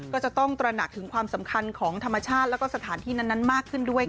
ก็จะต้องตระหนักถึงความสำคัญของธรรมชาติแล้วก็สถานที่นั้นมากขึ้นด้วยค่ะ